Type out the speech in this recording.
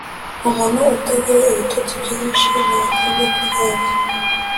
umuntu utagira ibitotsi byishi ntakunda kuryama